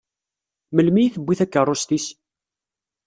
Melmi i tewwi takeṛṛust-is?